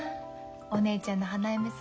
お姉ちゃんの花嫁姿。